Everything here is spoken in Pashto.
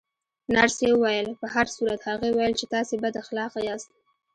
نرسې وویل: په هر صورت، هغې ویل چې تاسې بد اخلاقه یاست.